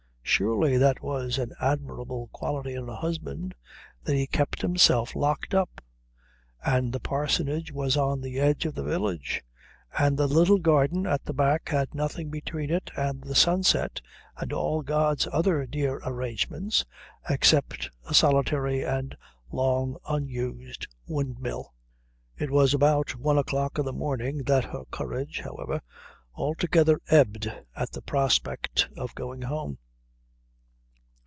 Surely that was an admirable quality in a husband, that he kept himself locked up! And the parsonage was on the edge of the village, and the little garden at the back had nothing between it and the sunset and all God's other dear arrangements except a solitary and long unused windmill.... It was about one o'clock in the morning that her courage, however, altogether ebbed at the prospect of going home.